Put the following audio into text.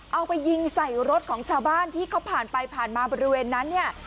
เอาไปยิงใส่รถของชาวบ้านที่เขาผ่านไปผ่านมาบริเวณนั้นเนี่ย